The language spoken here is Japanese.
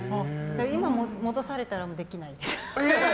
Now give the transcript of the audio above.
今、戻されたらできない。